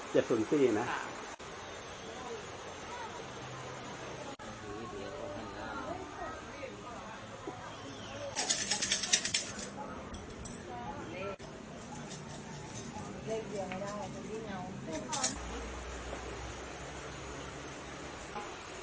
ได้เรียก๓๐๕ครับ